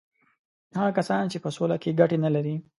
هغه کسان په سوله کې ګټې نه لري.